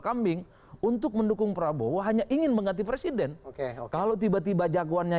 kambing untuk mendukung prabowo hanya ingin mengganti presiden oke kalau tiba tiba jagoannya